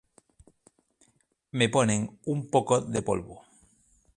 Me ponen un poco de polvo.